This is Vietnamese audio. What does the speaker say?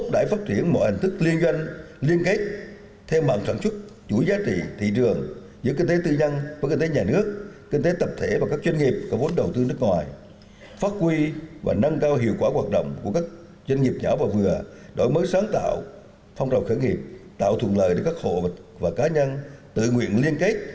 doanh nghiệp nhỏ và vừa đổi mới sáng tạo phong đầu khởi nghiệp tạo thuận lợi để các hộ và cá nhân tự nguyện liên kết